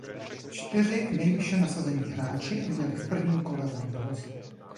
Čtyři nejvýše nasazení hráči měli v prvním kole volný los.